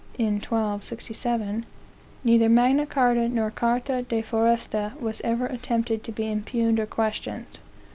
in 1267) neither Magna Carta nor Carta de Foresta was ever attempted to be impugned or questioned."